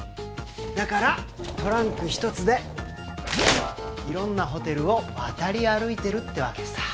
だからトランク１つでいろんなホテルを渡り歩いてるってわけさ。